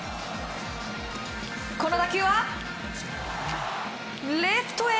この打球は、レフトへ。